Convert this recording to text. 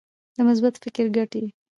د مثبت فکر ګټې.